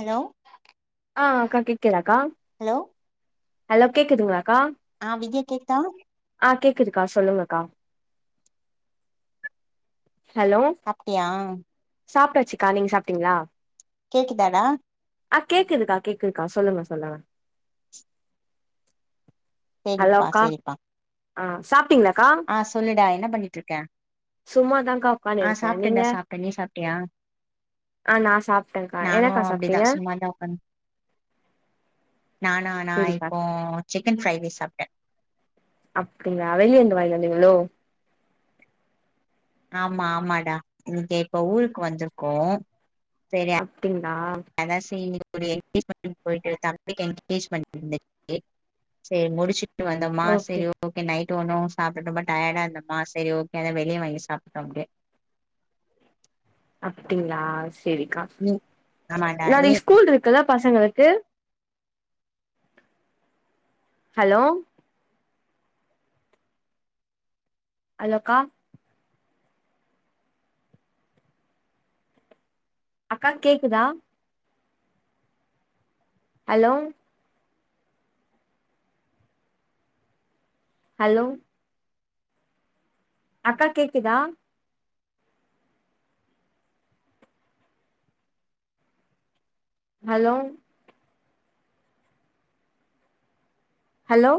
hello ஆ அக்கா கேக்கதாக்கா ஹலோ ஹலோ கேக்குதுங்களாக்கா ஆ விஜ்யா கேக்குதா ஆ கேக்குதுக்கா சொல்லுங்கக்கா ஹலோ சாப்டியா சாப்ட்டாச்சுக்கா நீங்க சாப்ட்டிங்ளா கேக்குதாடா ஆ கேக்குதுக்கா கேக்குதுக்கா சொல்லுங்க சொல்லுங்க ஹலோ சேரிப்பா அக்கா சேரிப்பா ஆ சாப்ட்டீங்ளா ஆ சொல்லுடா என்ன பண்ணிட்ருக்க சும்மாதான்க்கா உக்கான்னு ஆ இருக்கே நீங்க சாப்ட்டேன்டா சாப்ட்டே நீ சாப்ட்டியா ஆ நா சாப்ட்டேன்க்கா நானு என்னக்கா அப்டிதா சாப்ட்டீங்க சும்மா தா உக்காந் நானா நா சேரிக்கா இப்போ சிக்கன் ஃப்ரை ரைஸ் சாப்ட்டே அப்டிங்ளா வெளியந்து வாயினுவந்தீங்களோ ஆமா ஆமாடா இன்னிக்கி இப்ப ஊருக்கு வந்திருக்கோ செரி அப்டிங்ளா அதா செரி ஒரு என்கேஜ்மெண்ட் போயிட்டு தம்பிக்கு என்கேஜ்மெண்ட் இருந்துச்சி செரி முடிச்சுட்டு வந்தோம்மா செரி ஓகே ஓகே நைட்டு ஒன்னு சாப்பிட்டு ரொம்ப டயர்டா இருந்தம்மா செரி ஓகே அத வெளியே வாங்கி சாப்ட்டோ அப்டியே அப்டிங்ளா செரிக்கா ம் ஆமாண்டா நீ ஸ்கூல் இருக்குல பசங்களுக்கு ஹலோ ஹலோ அக்கா அக்கா கேக்குதா ஹலோ ஹலோ அக்கா கேக்குதா ஹலோ ஹலோ